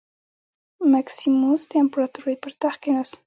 مکسیموس د امپراتورۍ پر تخت کېناست